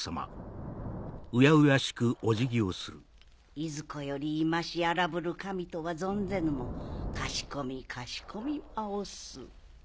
いずこよりいまし荒ぶる神とは存ぜぬもかしこみかしこみ申す。